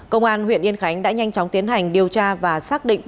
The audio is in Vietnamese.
công an huyện yên khánh đã nhanh chóng tiến hành điều tra và xác định